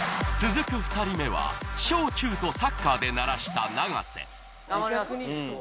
続く２人目は小中とサッカーで鳴らした永瀬頑張ります。